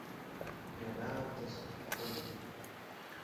Ианаамҭаз ҳрылгеит.